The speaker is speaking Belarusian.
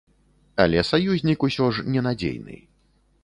Але саюзнік усё ж ненадзейны.